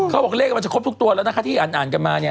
เขาบอกเลขมันจะครบทุกตัวแล้วนะคะที่อ่านกันมาเนี่ย